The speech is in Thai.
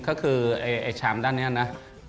ก็คือไอ้ชามด้านนี้นะ